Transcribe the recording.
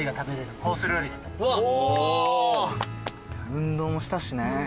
運動もしたしね。